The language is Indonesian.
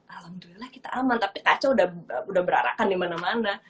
alhamdulillah kita aman tapi kaca udah berarakan dimana mana